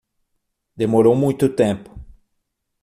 Demorou muito tempo